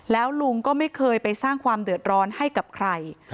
แล้วลุงก็ไม่เคยไปสร้างความเดือดร้อนให้กับใคร